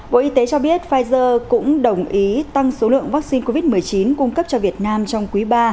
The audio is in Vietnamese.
bộ y tế cho biết pfizer cũng đồng ý tăng số lượng vaccine covid một mươi chín cung cấp cho việt nam trong quý ba